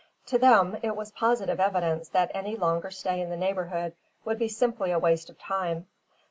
To them it was positive evidence that any longer stay in the neighbourhood would be simply a waste of time.